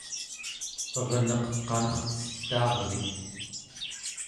erneq qanercetaarvik